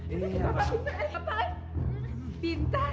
ini si bapak pintar